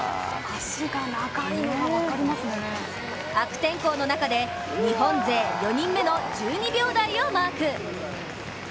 悪天候の中で、日本勢４人目の１２秒台をマーク。